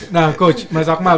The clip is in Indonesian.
nah coach mas akmal